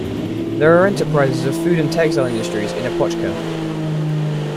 There are enterprises of food and textile industries in Opochka.